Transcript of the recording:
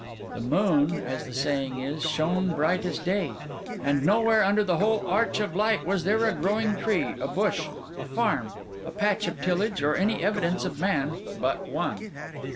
The moon, as the saying is, shone bright as day; and nowhere, under the whole arch of night, was there a growing tree, a bush, a farm, a patch of tillage, or any evidence of man, but one.